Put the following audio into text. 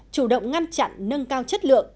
chủ động ngăn chặn nâng cao chất lượng